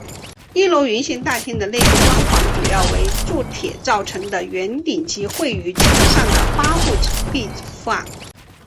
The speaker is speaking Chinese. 一楼圆形大厅的内部装潢主要为铸铁造成的圆顶及绘于墙上的八幅壁画。